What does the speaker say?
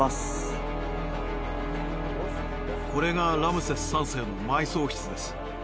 これがラムセス３世の埋葬室です。